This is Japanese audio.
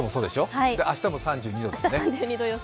明日も３２度ですね。